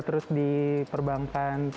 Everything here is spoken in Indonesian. terus di perbankan